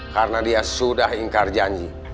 karena dia sudah ingkar janji